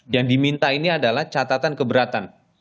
yang diminta ini adalah catatan keberatan